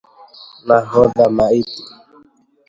NAHODHA MAITI